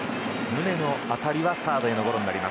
宗の当たりはサードゴロ。